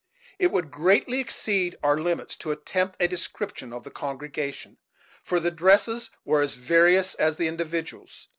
It would greatly exceed our limits to attempt a description of the congregation, for the dresses were as various as the individuals.